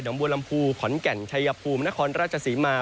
หย่อมบลลำพูขอนแก่นไชยภูมินครราชสิมาย์